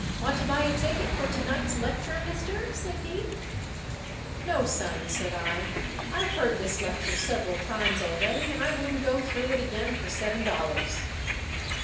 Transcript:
"Want to buy a ticket for to night's lecture, mister?" said he. "No, son," said I. "I've heard this lecture several times already, and I wouldn't go through it again for seven dollars."